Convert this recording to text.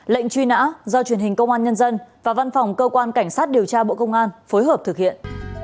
lệnh truy nã do truyền hình công an nhân dân và văn phòng cơ quan cảnh sát điều tra bộ công an phối hợp thực hiện